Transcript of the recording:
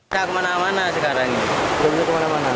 tiang jualan itu nggak bisa ke sana